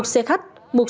một xe khách một xe con